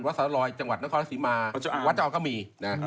วัดสาลอยจังหวัดนครศีมาวัดชะออกก็มี